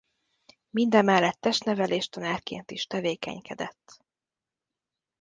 Mindemellett testnevelés tanárként is tevékenykedett.